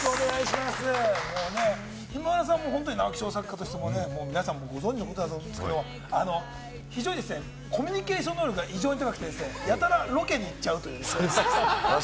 今村さんも直木賞作家としてね、皆さま、ご存じだと思いますけれども、非常にコミュニケーション能力が高くて、やたらロケに行っちゃうという。